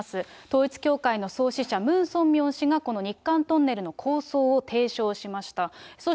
統一教会の創始者、ムン・ソンミョン氏が、この日韓トンネルの構想を提唱しました。